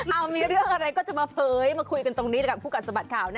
เอามีเรื่องอะไรก็จะมาเผยมาคุยกันตรงนี้กับคู่กัดสะบัดข่าว